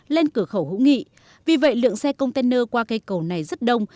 lên cửa khẩu hữu nghị vì vậy lượng xe container qua cây cầu này rất đông